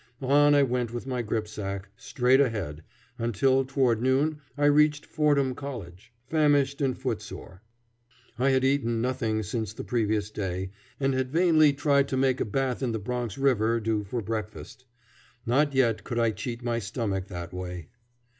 On I went with my gripsack, straight ahead, until toward noon I reached Fordham College, famished and footsore. I had eaten nothing since the previous day, and had vainly tried to make a bath in the Bronx River do for breakfast. Not yet could I cheat my stomach that way.